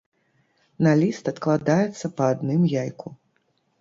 На ліст адкладаецца па адным яйку.